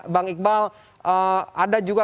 bang iqbal ada juga